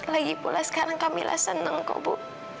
lagipula sekarang kamilah senang kok bu